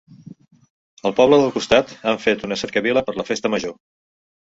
Al poble del costat han fet una cercavila per la festa major.